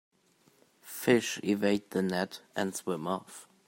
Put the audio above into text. Fish evade the net and swim off.